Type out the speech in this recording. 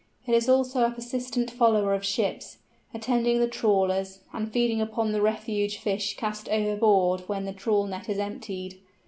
It is also a persistent follower of ships, attending the trawlers, and feeding upon the refuse fish cast overboard when the trawl net is emptied.